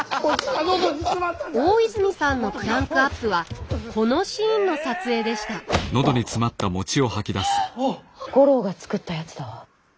大泉さんのクランクアップはこのシーンの撮影でした五郎が作ったやつだわ。